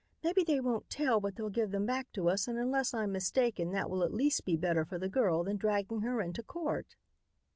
Maybe they won't tell but they'll give them back to us and unless I'm mistaken that will at least be better for the girl than dragging her into court."